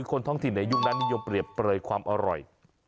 คนท้องถิ่นในยุคนั้นนิยมเปรียบเปลยความอร่อย